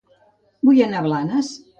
Vull anar a Blanes